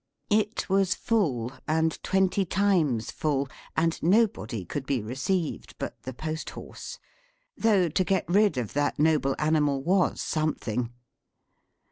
It was full, and twenty times full, and nobody could be received but the post horse, though to get rid of that noble animal was something.